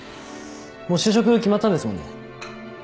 もう就職決まったんですもんね。